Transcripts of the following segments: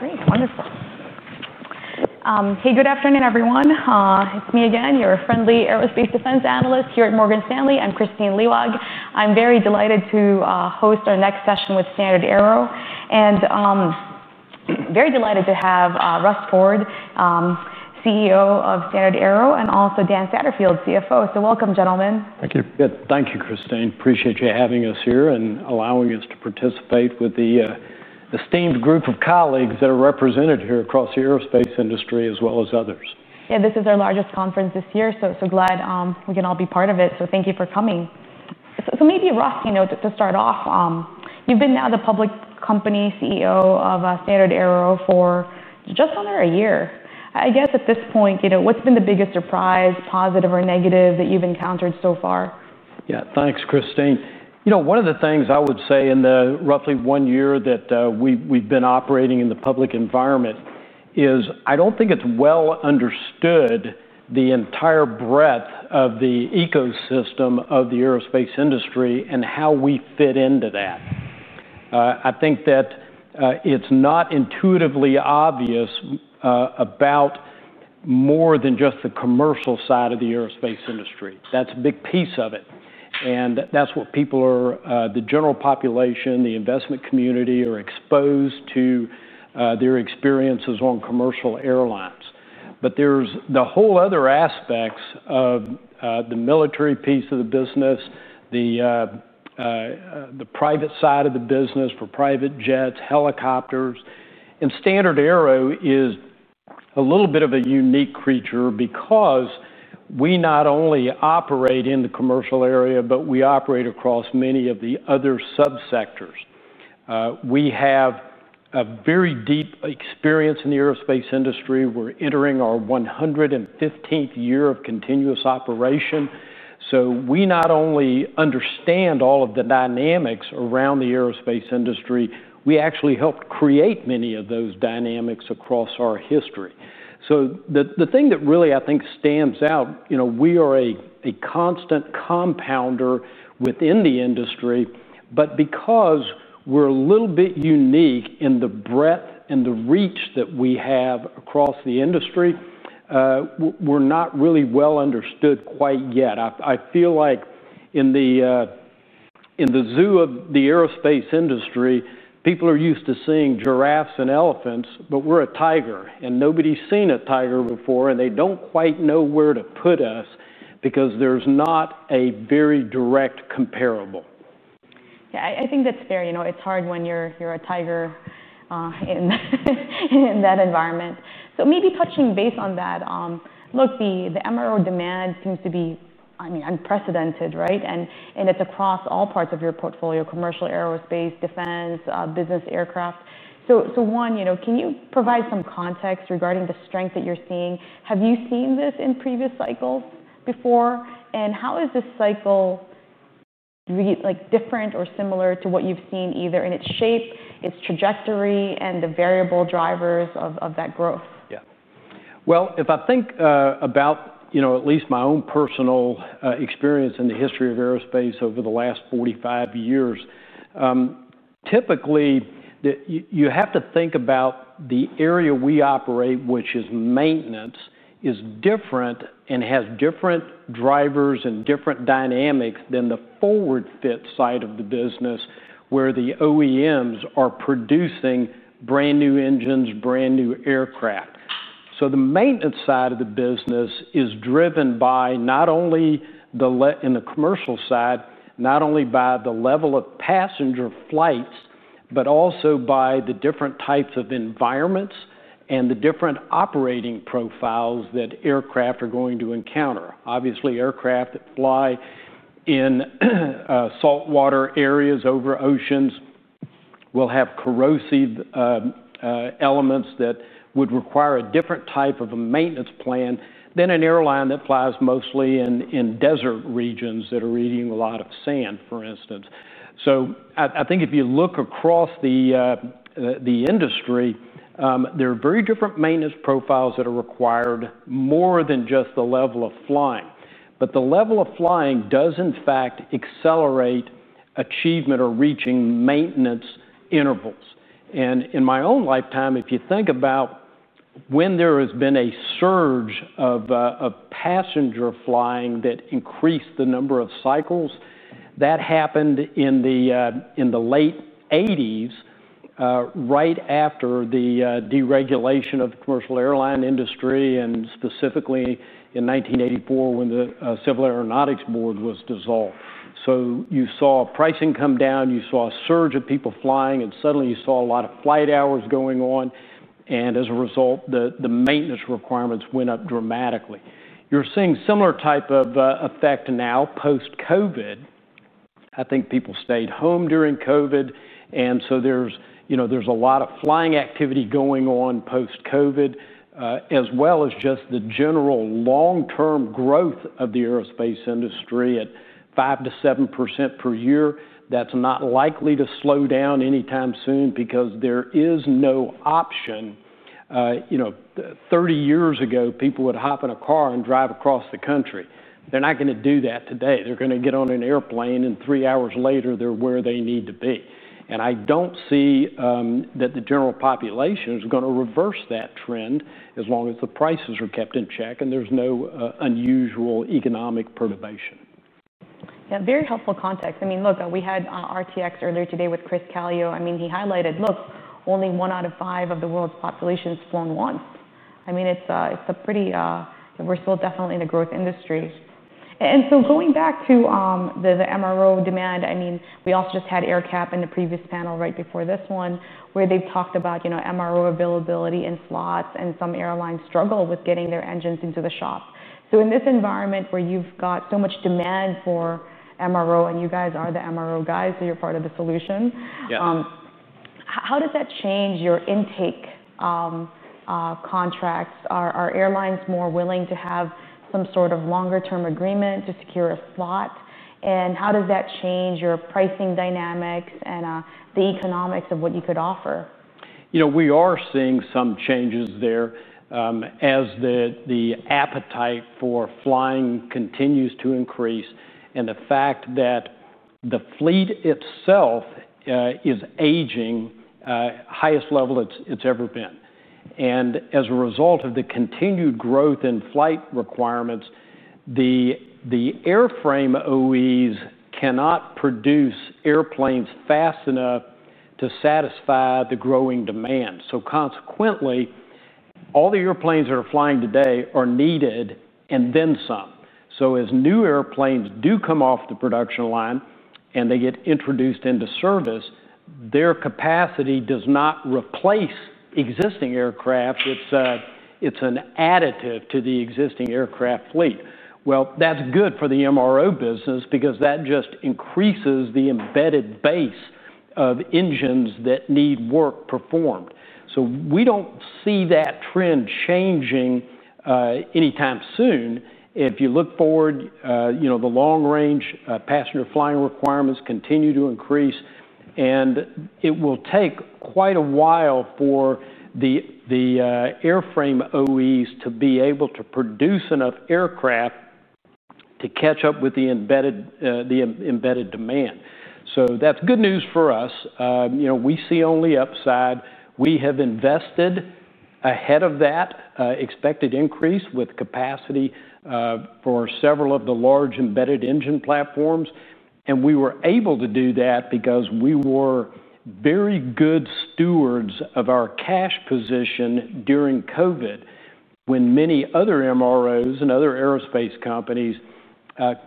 Great. Wonderful. Hey, good afternoon, everyone. It's me again, your friendly aerospace defense analyst here at Morgan Stanley. I'm Christine Lehwald. I'm very delighted to host our next session with StandardAero, and I'm very delighted to have Russell Ford, CEO of StandardAero, and also Dan Satterfield, CFO. Welcome, gentlemen. Thank you. Good. Thank you, Christine. Appreciate you having us here and allowing us to participate with the esteemed group of colleagues that are represented here across the aerospace industry as well as others. This is our largest conference this year, glad we can all be part of it. Thank you for coming. Maybe, Russ, to start off, you've been now the public company CEO of StandardAero for just under a year. At this point, what's been the biggest surprise, positive or negative, that you've encountered so far? Yeah, thanks, Christine. One of the things I would say in the roughly one year that we've been operating in the public environment is I don't think it's well understood, the entire breadth of the ecosystem of the aerospace industry and how we fit into that. I think that it's not intuitively obvious about more than just the commercial side of the aerospace industry. That's a big piece of it, and that's what people are, the general population, the investment community, are exposed to, their experiences on commercial airlines. There's the whole other aspects of the military piece of the business, the private side of the business for private jets, helicopters. StandardAero is a little bit of a unique creature because we not only operate in the commercial area, but we operate across many of the other subsectors. We have a very deep experience in the aerospace industry. We're entering our 115th year of continuous operation. We not only understand all of the dynamics around the aerospace industry, we actually help create many of those dynamics across our history. The thing that really, I think, stands out, we are a constant compounder within the industry, but because we're a little bit unique in the breadth and the reach that we have across the industry, we're not really well understood quite yet. I feel like in the zoo of the aerospace industry, people are used to seeing giraffes and elephants, but we're a tiger, and nobody's seen a tiger before, and they don't quite know where to put us because there's not a very direct comparable. Yeah, I think that's fair. It's hard when you're a tiger in that environment. Maybe touching base on that, look, the MRO demand seems to be, I mean, unprecedented, right? It's across all parts of your portfolio: commercial aerospace, defense, business aircraft. One, can you provide some context regarding the strength that you're seeing? Have you seen this in previous cycles before? How is this cycle different or similar to what you've seen either in its shape, its trajectory, and the variable drivers of that growth? If I think about, you know, at least my own personal experience in the history of aerospace over the last 45 years, typically, you have to think about the area we operate, which is maintenance, is different and has different drivers and different dynamics than the forward-fit side of the business where the OEMs are producing brand new engines, brand new aircraft. The maintenance side of the business is driven by not only the, in the commercial side, not only by the level of passenger flights, but also by the different types of environments and the different operating profiles that aircraft are going to encounter. Obviously, aircraft that fly in saltwater areas over oceans will have corrosive elements that would require a different type of a maintenance plan than an airline that flies mostly in desert regions that are eating a lot of sand, for instance. I think if you look across the industry, there are very different maintenance profiles that are required more than just the level of flying. The level of flying does, in fact, accelerate achievement or reaching maintenance intervals. In my own lifetime, if you think about when there has been a surge of passenger flying that increased the number of cycles, that happened in the late 1980s, right after the deregulation of the commercial airline industry and specifically in 1984 when the Civil Aeronautics Board was dissolved. You saw pricing come down, you saw a surge of people flying, and suddenly you saw a lot of flight hours going on. As a result, the maintenance requirements went up dramatically. You're seeing a similar type of effect now post-COVID. I think people stayed home during COVID. There's a lot of flying activity going on post-COVID, as well as just the general long-term growth of the aerospace industry at 5% to 7% per year. That's not likely to slow down anytime soon because there is no option. Thirty years ago, people would hop in a car and drive across the country. They're not going to do that today. They're going to get on an airplane, and three hours later, they're where they need to be. I don't see that the general population is going to reverse that trend as long as the prices are kept in check and there's no unusual economic perturbation. Yeah, very helpful context. I mean, look, we had RTX earlier today with Chris Cailliau. He highlighted, look, only one out of five of the world's population has flown once. I mean, it's a pretty, we're still definitely in a growth industry. Going back to the MRO demand, we also just had AirCAP in the previous panel right before this one where they've talked about MRO availability and slots, and some airlines struggle with getting their engines into the shop. In this environment where you've got so much demand for MRO, and you guys are the MRO guys, so you're part of the solution, how does that change your intake contracts? Are airlines more willing to have some sort of longer-term agreement to secure a slot? How does that change your pricing dynamics and the economics of what you could offer? You know, we are seeing some changes there as the appetite for flying continues to increase, and the fact that the fleet itself is aging at the highest level it's ever been. As a result of the continued growth in flight requirements, the airframe OEMs cannot produce airplanes fast enough to satisfy the growing demand. Consequently, all the airplanes that are flying today are needed and then some. As new airplanes do come off the production line and they get introduced into service, their capacity does not replace existing aircraft. It's an additive to the existing aircraft fleet. That is good for the MRO business because that just increases the embedded base of engines that need work performed. We don't see that trend changing anytime soon. If you look forward, the long-range passenger flying requirements continue to increase, and it will take quite a while for the airframe OEMs to be able to produce enough aircraft to catch up with the embedded demand. That is good news for us. We see only upside. We have invested ahead of that expected increase with capacity for several of the large embedded engine platforms. We were able to do that because we were very good stewards of our cash position during COVID when many other MROs and other aerospace companies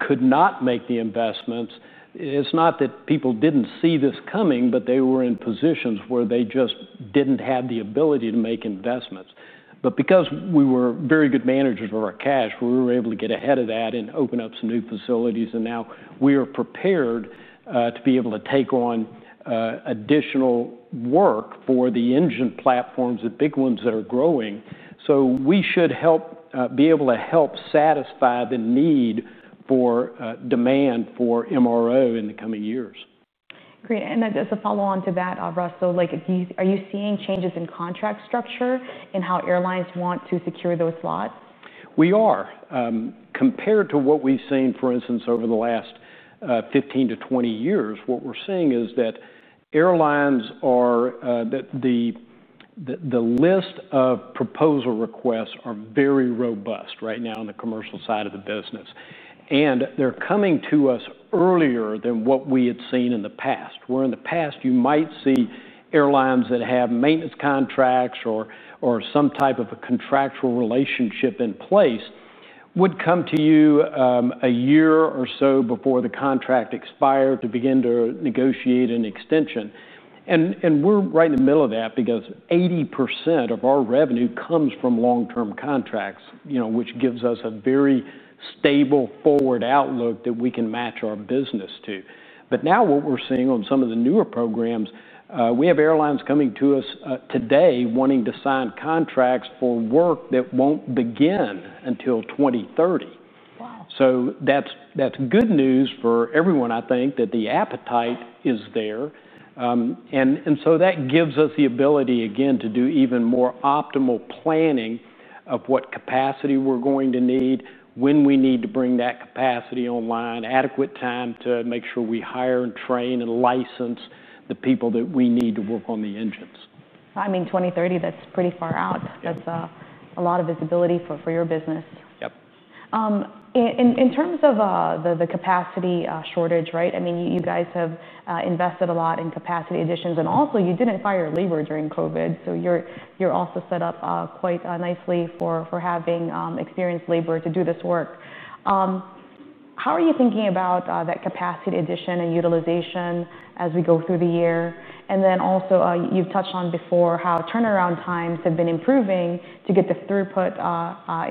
could not make the investments. It's not that people didn't see this coming, but they were in positions where they just didn't have the ability to make investments. Because we were very good managers of our cash, we were able to get ahead of that and open up some new facilities. Now we are prepared to be able to take on additional work for the engine platforms, the big ones that are growing. We should be able to help satisfy the need for demand for MRO in the coming years. Great. As a follow-on to that, Russ, are you seeing changes in contract structure in how airlines want to secure those slots? Compared to what we've seen, for instance, over the last 15 to 20 years, what we're seeing is that airlines are, that the list of proposal requests are very robust right now on the commercial side of the business. They're coming to us earlier than what we had seen in the past, where in the past you might see airlines that have maintenance contracts or some type of a contractual relationship in place would come to you a year or so before the contract expired to begin to negotiate an extension. We're right in the middle of that because 80% of our revenue comes from long-term contracts, which gives us a very stable forward outlook that we can match our business to. Now what we're seeing on some of the newer programs, we have airlines coming to us today wanting to sign contracts for work that won't begin until 2030. Wow. That is good news for everyone, I think, that the appetite is there. That gives us the ability, again, to do even more optimal planning of what capacity we're going to need, when we need to bring that capacity online, with adequate time to make sure we hire and train and license the people that we need to work on the engines. I mean, 2030, that's pretty far out. That's a lot of visibility for your business. Yep. In terms of the capacity shortage, you guys have invested a lot in capacity additions, and also you didn't fire labor during COVID. You're also set up quite nicely for having experienced labor to do this work. How are you thinking about that capacity addition and utilization as we go through the year? You've touched on before how turnaround times have been improving to get the throughput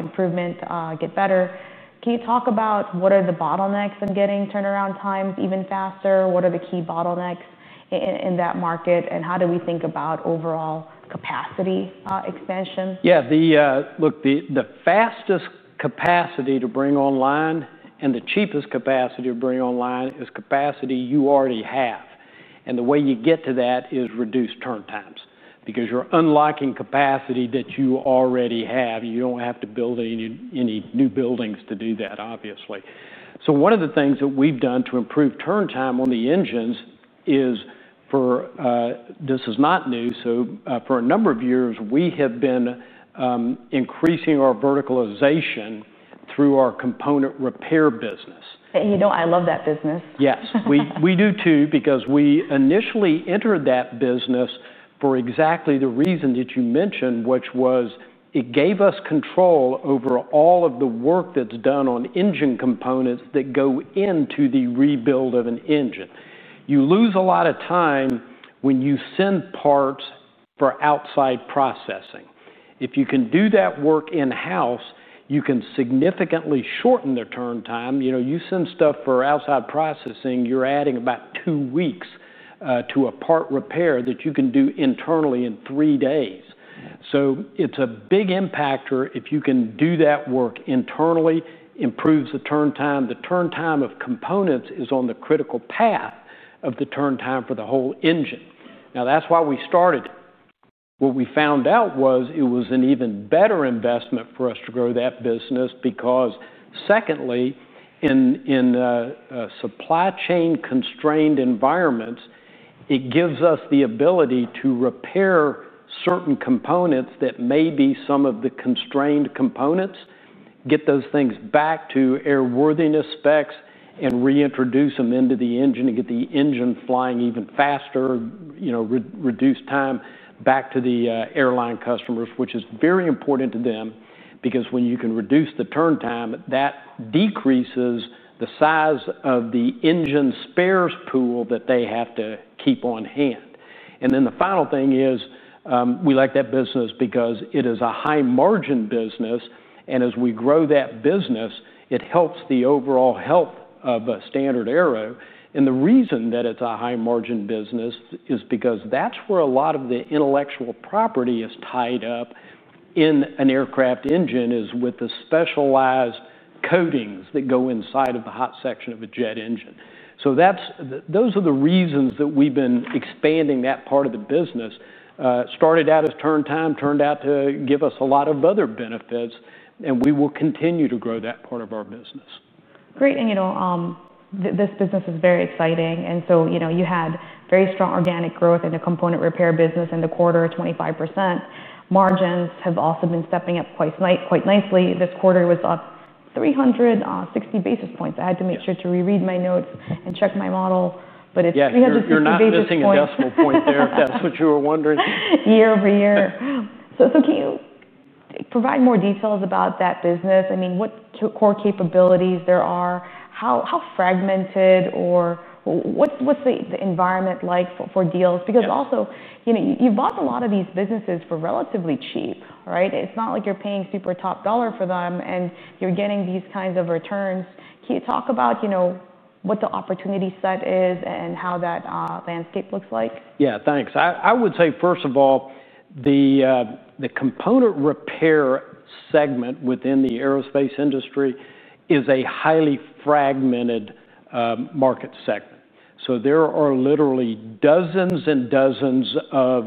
improvement get better. Can you talk about what are the bottlenecks of getting turnaround times even faster? What are the key bottlenecks in that market? How do we think about overall capacity expansion? Yeah, look, the fastest capacity to bring online and the cheapest capacity to bring online is capacity you already have. The way you get to that is reduced turn times because you're unlocking capacity that you already have. You don't have to build any new buildings to do that, obviously. One of the things that we've done to improve turn time on the engines is, this is not new, for a number of years, we have been increasing our verticalization through our component repair business. You know, I love that business. Yes, we do too because we initially entered that business for exactly the reason that you mentioned, which was it gave us control over all of the work that's done on engine components that go into the rebuild of an engine. You lose a lot of time when you send parts for outside processing. If you can do that work in-house, you can significantly shorten the turn time. You know, you send stuff for outside processing, you're adding about two weeks to a part repair that you can do internally in three days. It's a big impactor if you can do that work internally, improves the turn time. The turn time of components is on the critical path of the turn time for the whole engine. That's why we started. What we found out was it was an even better investment for us to grow that business because secondly, in supply chain constrained environments, it gives us the ability to repair certain components that may be some of the constrained components, get those things back to airworthiness specs, and reintroduce them into the engine to get the engine flying even faster, reduce time back to the airline customers, which is very important to them because when you can reduce the turn time, that decreases the size of the engine spares pool that they have to keep on hand. The final thing is we like that business because it is a high margin business. As we grow that business, it helps the overall health of StandardAero. The reason that it's a high margin business is because that's where a lot of the intellectual property is tied up in an aircraft engine is with the specialized coatings that go inside of the hot section of a jet engine. Those are the reasons that we've been expanding that part of the business. Started out as turn time, turned out to give us a lot of other benefits, and we will continue to grow that part of our business. Great. This business is very exciting. You had very strong organic growth in the component repair business in the quarter, 25%. Margins have also been stepping up quite nicely. This quarter was up 360 basis points. I had to make sure to reread my notes and check my model, but it's 360 basis points. Yeah, you're missing a decimal point there. That's what you were wondering. Year over year. Can you provide more details about that business? I mean, what core capabilities there are? How fragmented or what's the environment like for deals? Because also, you know, you've bought a lot of these businesses for relatively cheap, right? It's not like you're paying super top dollar for them, and you're getting these kinds of returns. Can you talk about what the opportunity set is and how that landscape looks like? Yeah, thanks. I would say, first of all, the component repair segment within the aerospace industry is a highly fragmented market segment. There are literally dozens and dozens of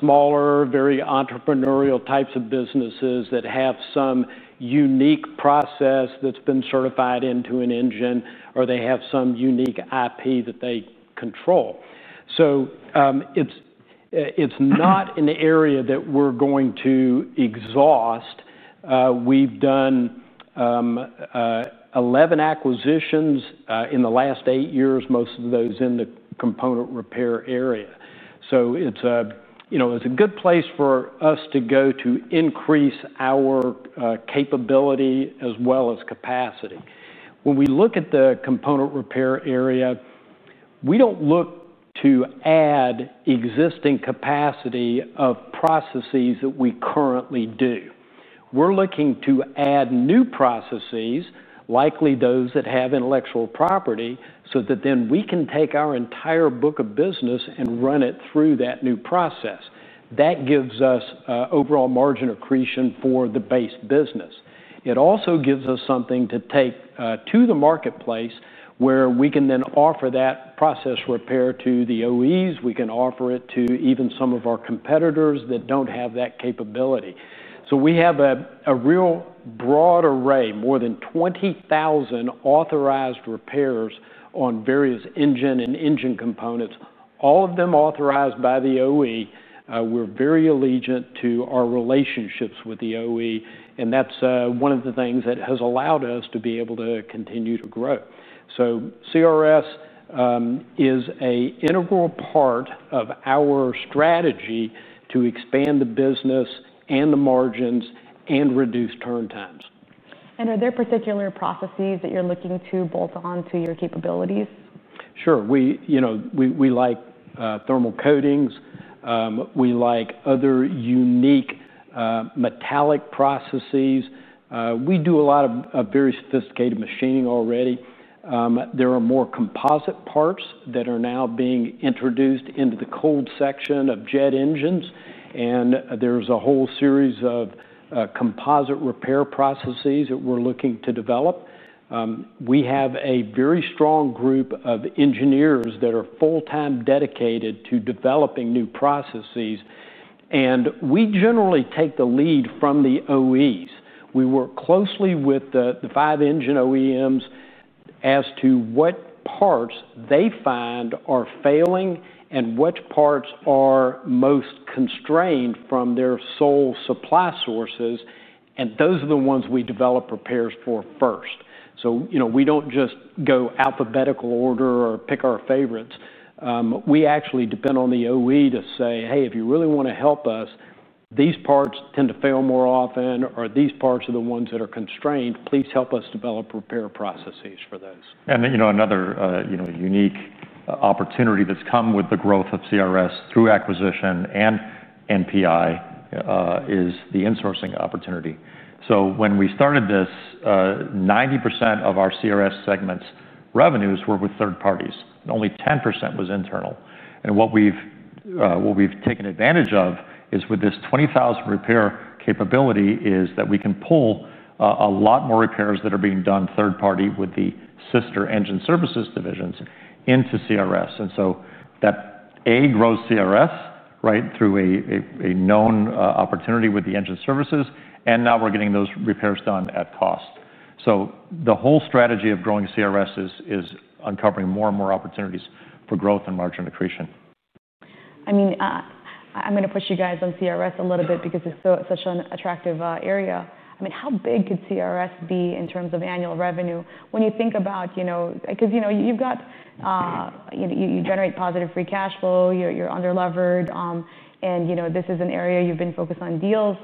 smaller, very entrepreneurial types of businesses that have some unique process that's been certified into an engine, or they have some unique IP that they control. It's not an area that we're going to exhaust. We've done 11 acquisitions in the last eight years, most of those in the component repair area. It's a good place for us to go to increase our capability as well as capacity. When we look at the component repair area, we don't look to add existing capacity of processes that we currently do. We're looking to add new processes, likely those that have intellectual property, so that then we can take our entire book of business and run it through that new process. That gives us overall margin accretion for the base business. It also gives us something to take to the marketplace where we can then offer that process repair to the OEMs. We can offer it to even some of our competitors that don't have that capability. We have a real broad array, more than 20,000 authorized repairs on various engine and engine components, all of them authorized by the OEM. We're very allegiance to our relationships with the OEM, and that's one of the things that has allowed us to be able to continue to grow. CRS is an integral part of our strategy to expand the business and the margins and reduce turn times. Are there particular processes that you're looking to bolt on to your capabilities? Sure. We like thermal coatings. We like other unique metallic processes. We do a lot of very sophisticated machining already. There are more composite parts that are now being introduced into the cold section of jet engines, and there's a whole series of composite repair processes that we're looking to develop. We have a very strong group of engineers that are full-time dedicated to developing new processes, and we generally take the lead from the OEMs. We work closely with the five engine OEMs as to what parts they find are failing and which parts are most constrained from their sole supply sources, and those are the ones we develop repairs for first. We don't just go alphabetical order or pick our favorites. We actually depend on the OEM to say, "Hey, if you really want to help us, these parts tend to fail more often, or these parts are the ones that are constrained. Please help us develop repair processes for those. Another unique opportunity that's come with the growth of CRS through acquisition and NPI is the insourcing opportunity. When we started this, 90% of our CRS segment's revenues were with third parties. Only 10% was internal. What we've taken advantage of is with this 20,000 repair capability, we can pull a lot more repairs that are being done third party with the sister engine services divisions into CRS. That grows CRS through a known opportunity with the engine services, and now we're getting those repairs done at cost. The whole strategy of growing CRS is uncovering more and more opportunities for growth and margin accretion. I'm going to push you guys on CRS a little bit because it's such an attractive area. I mean, how big could CRS be in terms of annual revenue when you think about, you know, you've got, you know, you generate positive free cash flow, you're under-levered, and you know, this is an area you've been focused on deals.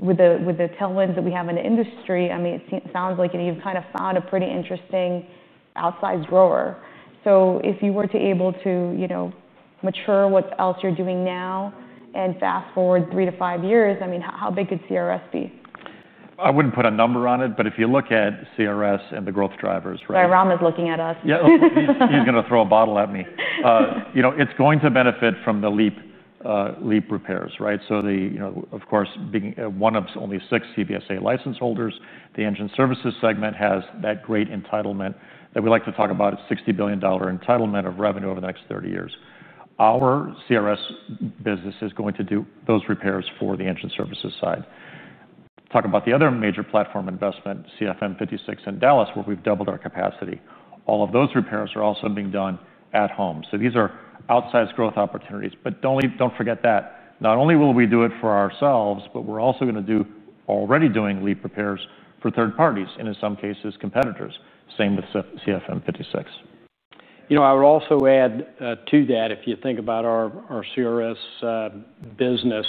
With the tailwinds that we have in the industry, it sounds like you've kind of found a pretty interesting outsized roar. If you were to be able to mature what else you're doing now and fast forward three to five years, how big could CRS be? I wouldn't put a number on it, but if you look at CRS and the growth drivers, right? Rama is looking at us. Yeah, he's going to throw a bottle at me. You know, it's going to benefit from the LEAP repairs, right? Of course, being one of only six CFM Branded Service Agreement license holders, the engine services segment has that great entitlement that we like to talk about. It's a $60 billion entitlement of revenue over the next 30 years. Our Component Repair Services business is going to do those repairs for the engine services side. Talk about the other major platform investment, CFM56 in Dallas, where we've doubled our capacity. All of those repairs are also being done at home. These are outsized growth opportunities. Don't forget that not only will we do it for ourselves, but we're also already doing LEAP repairs for third parties, and in some cases, competitors. Same with CFM56. You know, I would also add to that, if you think about our CRS business,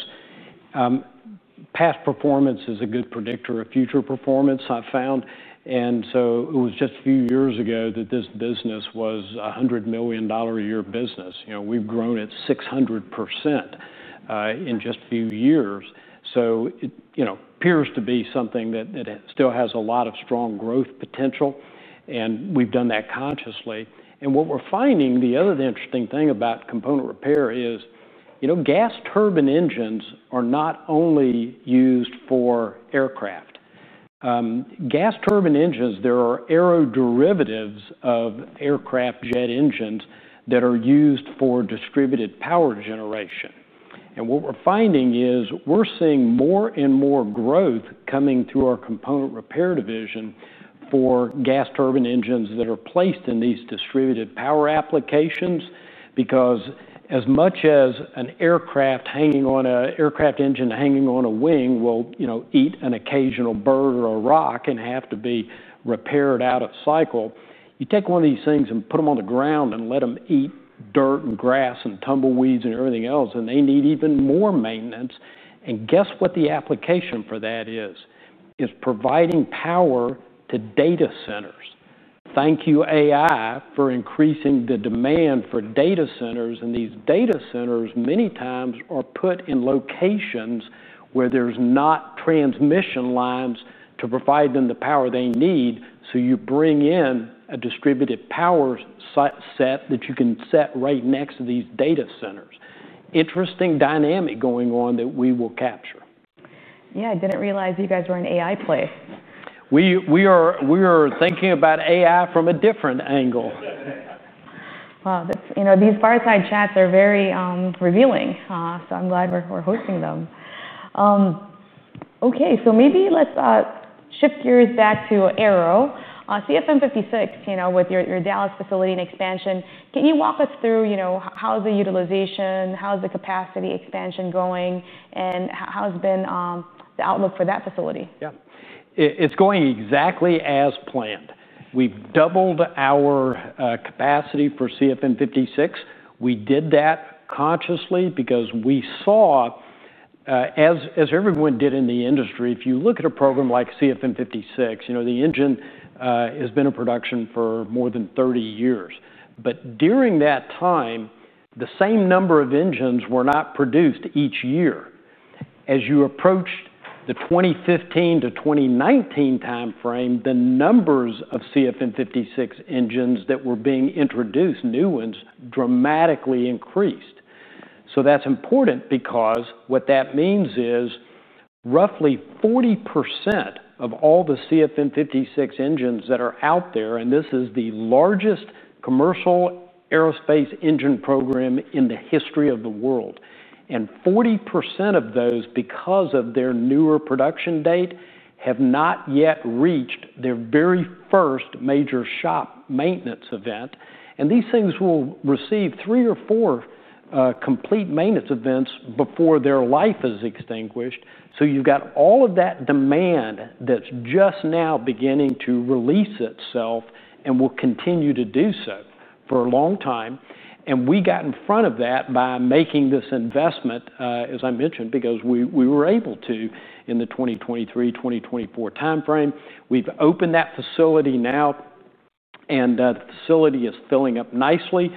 past performance is a good predictor of future performance, I've found. It was just a few years ago that this business was a $100 million a year business. We've grown at 600% in just a few years. It appears to be something that still has a lot of strong growth potential, and we've done that consciously. What we're finding, the other interesting thing about component repair is, gas turbine engines are not only used for aircraft. Gas turbine engines, there are aeroderivatives of aircraft jet engines that are used for distributed power generation. What we're finding is we're seeing more and more growth coming to our component repair division for gas turbine engines that are placed in these distributed power applications because as much as an aircraft engine hanging on a wing will, you know, eat an occasional bird or a rock and have to be repaired out of cycle, you take one of these things and put them on the ground and let them eat dirt and grass and tumbleweeds and everything else, and they need even more maintenance. Guess what the application for that is? It's providing power to data centers. Thank you, AI, for increasing the demand for data centers, and these data centers many times are put in locations where there's not transmission lines to provide them the power they need. You bring in a distributed power set that you can set right next to these data centers. Interesting dynamic going on that we will capture. Yeah, I didn't realize you guys were an AI place. We are thinking about AI from a different angle. Wow, you know, these fireside chats are very revealing. I'm glad we're hosting them. Maybe let's shift gears back to Aero. CFM56, with your Dallas facility and expansion, can you walk us through how's the utilization, how's the capacity expansion going, and how's been the outlook for that facility? Yeah, it's going exactly as planned. We've doubled our capacity for CFM56. We did that consciously because we saw, as everyone did in the industry, if you look at a program like CFM56, you know, the engine has been in production for more than 30 years. During that time, the same number of engines were not produced each year. As you approached the 2015 to 2019 timeframe, the numbers of CFM56 engines that were being introduced, new ones, dramatically increased. That's important because what that means is roughly 40% of all the CFM56 engines that are out there, and this is the largest commercial aerospace engine program in the history of the world, 40% of those, because of their newer production date, have not yet reached their very first major shop maintenance event. These things will receive three or four complete maintenance events before their life is extinguished. You've got all of that demand that's just now beginning to release itself and will continue to do so for a long time. We got in front of that by making this investment, as I mentioned, because we were able to in the 2023-2024 timeframe. We've opened that facility now, and the facility is filling up nicely.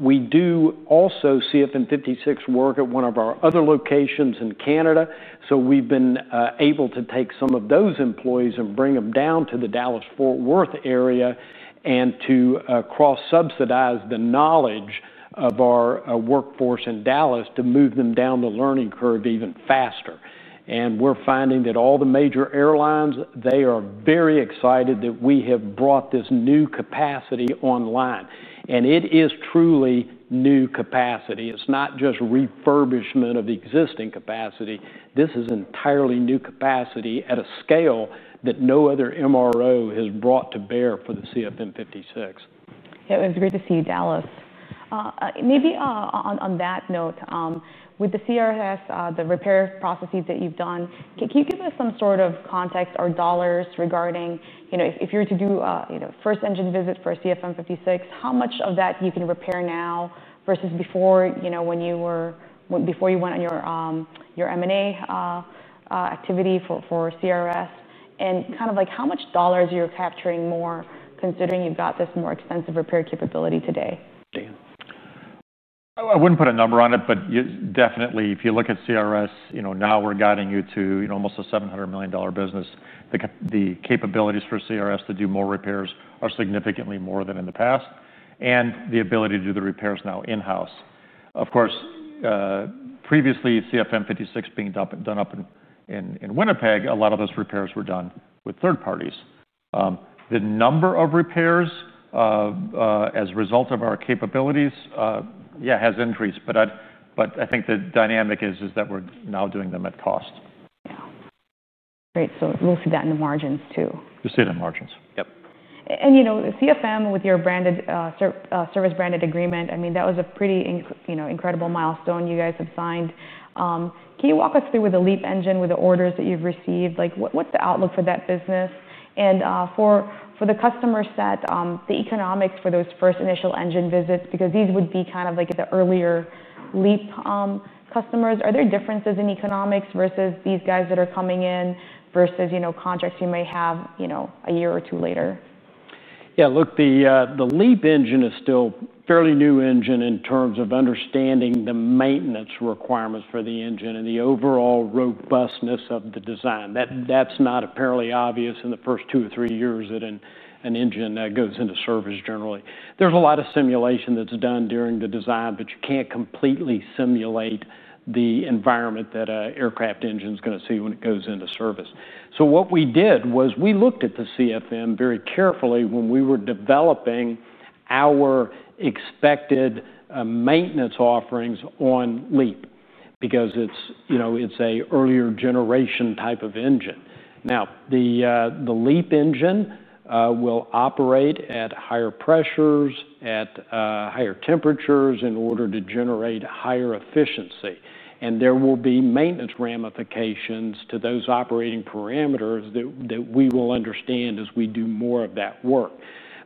We do also see CFM56 work at one of our other locations in Canada. We've been able to take some of those employees and bring them down to the Dallas Fort Worth area to cross-subsidize the knowledge of our workforce in Dallas to move them down the learning curve even faster. We're finding that all the major airlines are very excited that we have brought this new capacity online. It is truly new capacity. It's not just refurbishment of existing capacity. This is entirely new capacity at a scale that no other MRO has brought to bear for the CFM56. Yeah, it was great to see you, Dallas. Maybe on that note, with the CRS, the repair processes that you've done, can you give us some sort of context or dollars regarding if you were to do, you know, first engine visit for CFM56, how much of that you can repair now versus before, when you were before you went on your M&A activity for CRS? Kind of like how much dollars you're capturing more considering you've got this more extensive repair capability today? I wouldn't put a number on it, but definitely if you look at CRS, you know, now we're guiding you to, you know, almost a $700 million business. The capabilities for CRS to do more repairs are significantly more than in the past, and the ability to do the repairs now in-house. Of course, previously CFM56 being done up in Winnipeg, a lot of those repairs were done with third parties. The number of repairs as a result of our capabilities has increased. I think the dynamic is that we're now doing them at cost. Great. We will see that in the margins too. Just see it in margins. Yep. You know, CFM with your CFM Branded Service Agreement, that was a pretty incredible milestone you guys have signed. Can you walk us through with the LEAP engine, with the orders that you've received? What's the outlook for that business? For the customers, the economics for those first initial engine visits, because these would be kind of like the earlier LEAP customers, are there differences in economics versus these guys that are coming in versus contracts you may have a year or two later? Yeah, look, the LEAP engine is still a fairly new engine in terms of understanding the maintenance requirements for the engine and the overall robustness of the design. That's not apparently obvious in the first two or three years that an engine goes into service generally. There's a lot of simulation that's done during the design, but you can't completely simulate the environment that an aircraft engine is going to see when it goes into service. What we did was we looked at the CFM very carefully when we were developing our expected maintenance offerings on LEAP because it's, you know, it's an earlier generation type of engine. Now, the LEAP engine will operate at higher pressures, at higher temperatures in order to generate higher efficiency. There will be maintenance ramifications to those operating parameters that we will understand as we do more of that work.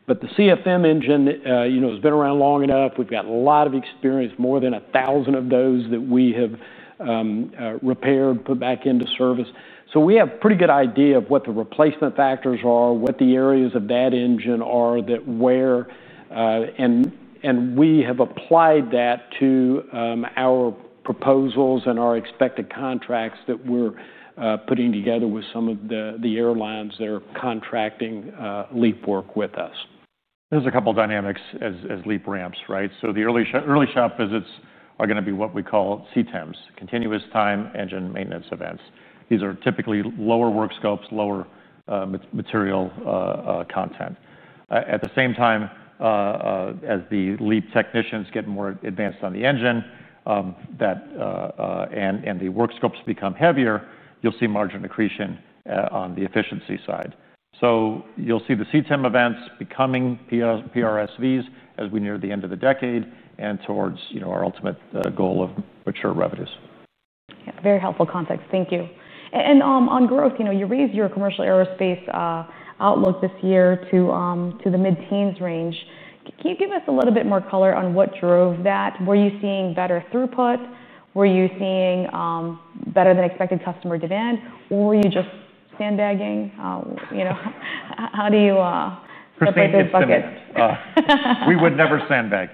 The CFM engine, you know, has been around long enough. We've got a lot of experience, more than a thousand of those that we have repaired, put back into service. We have a pretty good idea of what the replacement factors are, what the areas of that engine are that wear, and we have applied that to our proposals and our expected contracts that we're putting together with some of the airlines that are contracting LEAP work with us. are a couple of dynamics as LEAP ramps, right? The early shop visits are going to be what we call CTEMs, Continuous Time Engine Maintenance Events. These are typically lower work scopes, lower material content. At the same time, as the LEAP technicians get more advanced on the engine and the work scopes become heavier, you'll see margin accretion on the efficiency side. You'll see the CTEM events becoming PRSVs as we near the end of the decade and towards, you know, our ultimate goal of mature revenues. Very helpful context. Thank you. On growth, you raised your commercial aerospace outlook this year to the mid-teens range. Can you give us a little bit more color on what drove that? Were you seeing better throughput? Were you seeing better than expected customer demand? Or were you just sandbagging? How do you separate those buckets? We would never sandbag.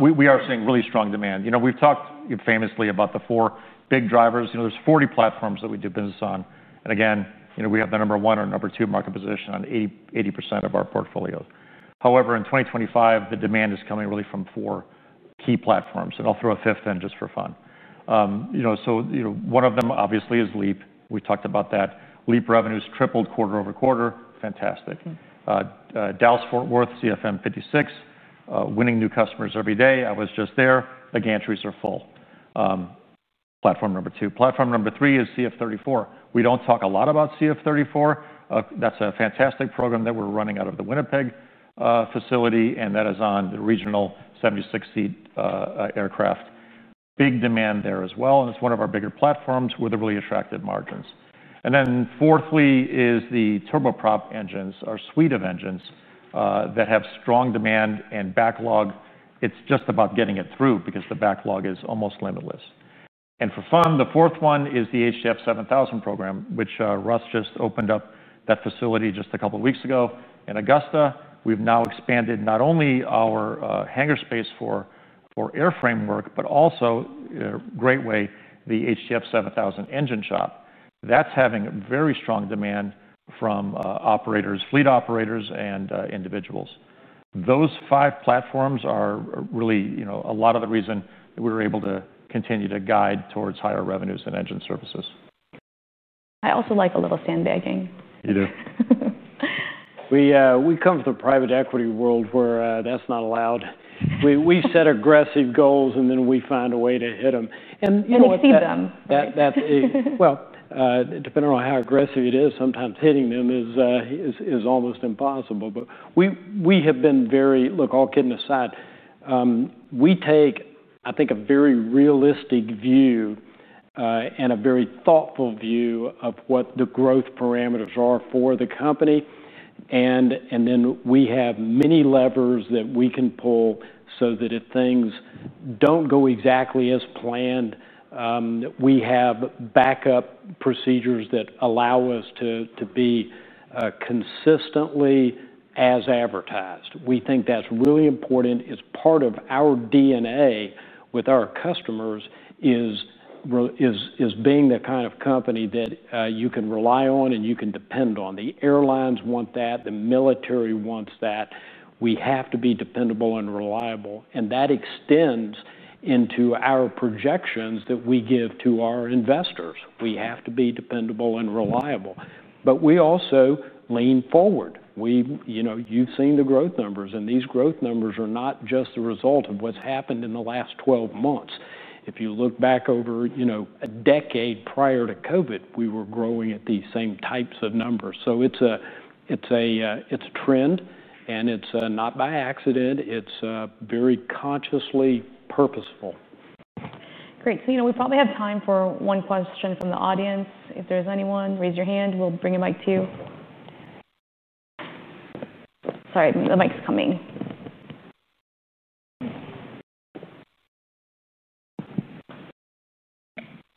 We are seeing really strong demand. We've talked famously about the four big drivers. There are 40 platforms that we do business on. We have the number one or number two market position on 80% of our portfolio. However, in 2025, the demand is coming really from four key platforms. I'll throw a fifth in just for fun. One of them obviously is LEAP. We talked about that. LEAP revenues tripled quarter over quarter. Fantastic. Dallas Fort Worth, CFM56, winning new customers every day. I was just there. The gantries are full. Platform number two. Platform number three is CF34. We don't talk a lot about CF34. That's a fantastic program that we're running out of the Winnipeg facility, and that is on the regional 76-seat aircraft. Big demand there as well, and it's one of our bigger platforms with really attractive margins. Fourthly is the turboprop engines, our suite of engines that have strong demand and backlog. It's just about getting it through because the backlog is almost limitless. For fun, the fourth one is the HDF7000 program, which Russ just opened up that facility just a couple of weeks ago in Augusta. We've now expanded not only our hangar space for airframe work, but also a great way, the HDF7000 engine shop. That's having very strong demand from operators, fleet operators, and individuals. Those five platforms are really a lot of the reason that we were able to continue to guide towards higher revenues in engine services. I also like a little sandbagging. You do. We come from the private equity world where that's not allowed. We set aggressive goals, and then we find a way to hit them. We exceed them. Depending on how aggressive it is, sometimes hitting them is almost impossible. We have been very, look, all kidding aside, we take, I think, a very realistic view and a very thoughtful view of what the growth parameters are for the company. We have many levers that we can pull so that if things don't go exactly as planned, we have backup procedures that allow us to be consistently as advertised. We think that's really important. It's part of our DNA with our customers, being the kind of company that you can rely on and you can depend on. The airlines want that. The military wants that. We have to be dependable and reliable. That extends into our projections that we give to our investors. We have to be dependable and reliable. We also lean forward. You've seen the growth numbers, and these growth numbers are not just the result of what's happened in the last 12 months. If you look back over, you know, a decade prior to COVID, we were growing at these same types of numbers. It's a trend, and it's not by accident. It's very consciously purposeful. Great. We probably have time for one question from the audience. If there's anyone, raise your hand. We'll bring it back to you. Sorry, the mic's coming.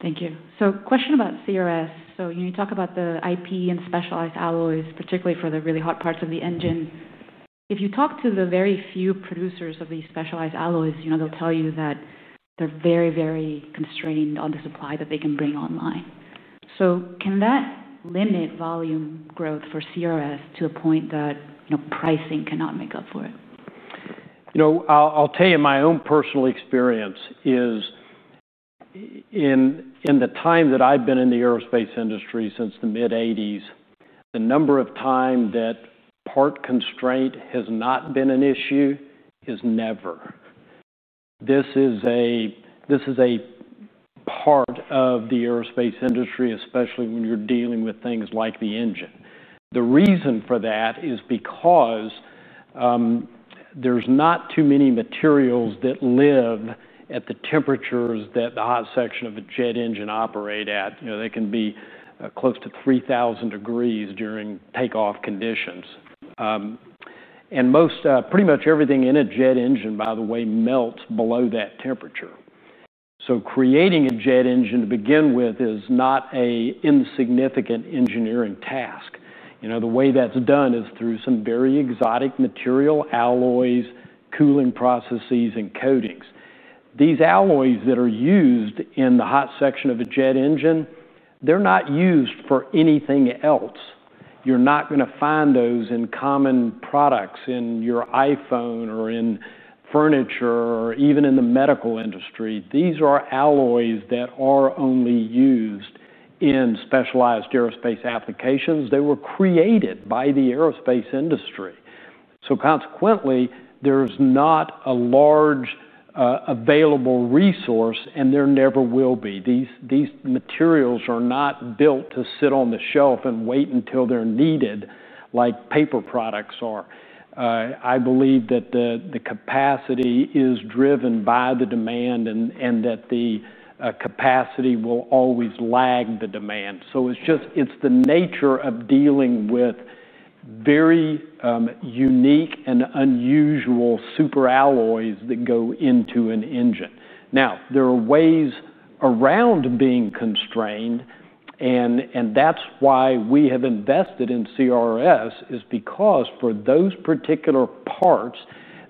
Thank you. Question about CRS. You talk about the IP and specialized alloys, particularly for the really hot parts of the engine. If you talk to the very few producers of these specialized alloys, they'll tell you that they're very, very constrained on the supply that they can bring online. Can that limit volume growth for CRS to a point that pricing cannot make up for it? I'll tell you my own personal experience is in the time that I've been in the aerospace industry since the mid-1980s, the number of times that part constraint has not been an issue is never. This is a part of the aerospace industry, especially when you're dealing with things like the engine. The reason for that is because there's not too many materials that live at the temperatures that the hot section of a jet engine operates at. They can be close to 3,000 degrees during takeoff conditions. Pretty much everything in a jet engine, by the way, melts below that temperature. Creating a jet engine to begin with is not an insignificant engineering task. The way that's done is through some very exotic material, alloys, cooling processes, and coatings. These alloys that are used in the hot section of a jet engine, they're not used for anything else. You're not going to find those in common products in your iPhone or in furniture or even in the medical industry. These are alloys that are only used in specialized aerospace applications. They were created by the aerospace industry. Consequently, there's not a large available resource, and there never will be. These materials are not built to sit on the shelf and wait until they're needed like paper products are. I believe that the capacity is driven by the demand and that the capacity will always lag the demand. It's the nature of dealing with very unique and unusual superalloy engine components that go into an engine. There are ways around being constrained, and that's why we have invested in Component Repair Services (CRS) because for those particular parts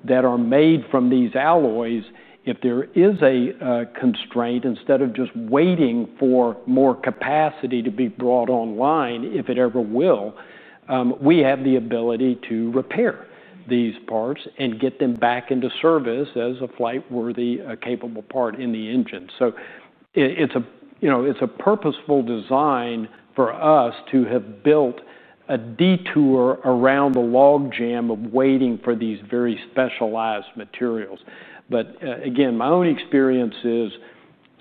that are made from these alloys, if there is a constraint, instead of just waiting for more capacity to be brought online, if it ever will, we have the ability to repair these parts and get them back into service as a flight-worthy, capable part in the engine. It's a purposeful design for us to have built a detour around the log jam of waiting for these very specialized materials. Again, my own experience is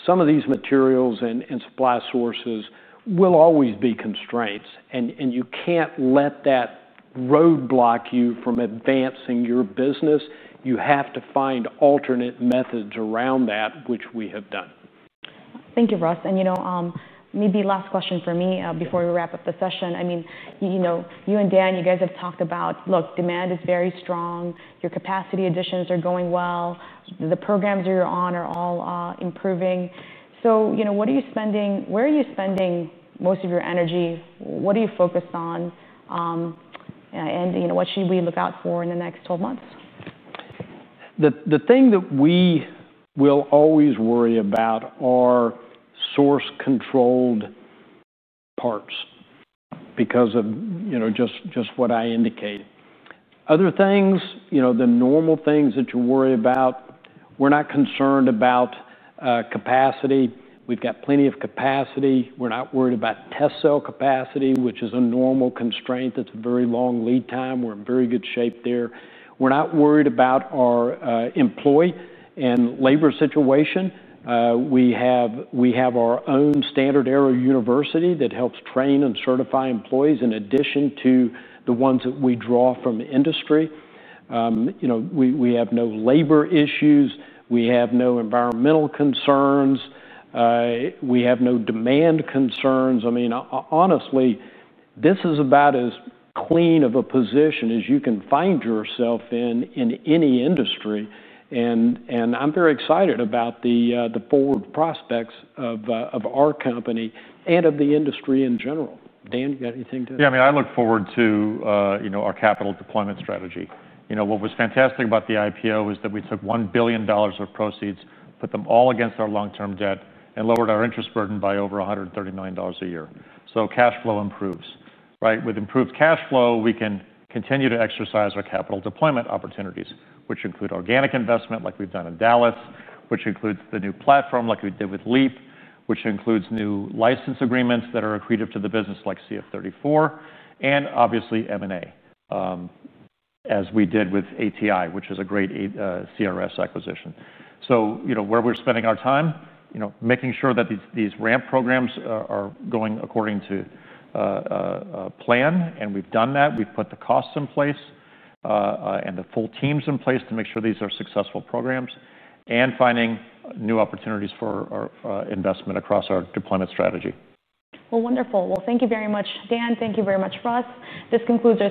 some of these materials and supply sources will always be constraints, and you can't let that roadblock you from advancing your business. You have to find alternate methods around that, which we have done. Thank you, Russ. Maybe last question for me before we wrap up the session. You and Dan, you guys have talked about, look, demand is very strong. Your capacity additions are going well. The programs you're on are all improving. What are you spending, where are you spending most of your energy? What are you focused on? What should we look out for in the next 12 months? The thing that we will always worry about are source-controlled parts because of, you know, just what I indicated. Other things, you know, the normal things that you worry about, we're not concerned about capacity. We've got plenty of capacity. We're not worried about test cell capacity, which is a normal constraint. That's a very long lead time. We're in very good shape there. We're not worried about our employee and labor situation. We have our own StandardAero University that helps train and certify employees in addition to the ones that we draw from industry. We have no labor issues. We have no environmental concerns. We have no demand concerns. I mean, honestly, this is about as clean of a position as you can find yourself in in any industry. I'm very excited about the forward prospects of our company and of the industry in general. Dan, you got anything to say? Yeah, I mean, I look forward to our capital deployment strategy. What was fantastic about the IPO is that we took $1 billion of proceeds, put them all against our long-term debt, and lowered our interest burden by over $130 million a year. Cash flow improves, right? With improved cash flow, we can continue to exercise our capital deployment opportunities, which include organic investment like we've done in Dallas, which includes the new platform like we did with LEAP, which includes new license agreements that are accretive to the business like CF34, and obviously M&A, as we did with ATI, which is a great CRS acquisition. Where we're spending our time is making sure that these ramp programs are going according to plan, and we've done that. We've put the costs in place and the full teams in place to make sure these are successful programs and finding new opportunities for our investment across our deployment strategy. Thank you very much, Dan. Thank you very much, Russ. This concludes your.